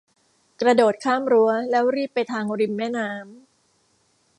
กระโดดข้ามรั้วแล้วรีบไปทางริมแม่น้ำ